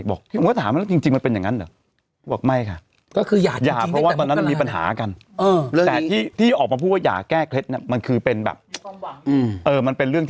บอกว่าถามที่จริงมันเป็นอย่างนั้นหรือ